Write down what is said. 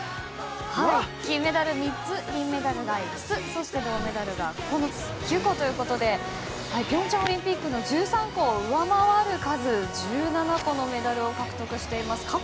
金メダル、３つ銀メダルが５つそして銅メダルが９つということで平昌オリンピックの１３個を上回る数１７個のメダルを獲得しています。